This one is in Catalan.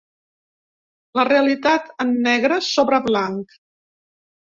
La realitat en negre sobre blanc.